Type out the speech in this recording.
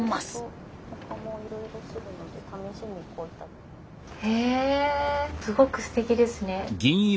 すごくすてきですね。